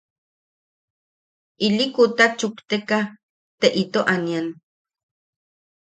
Ili kuta chukteka te ito anian.